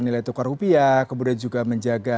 nilai tukar rupiah kemudian juga menjaga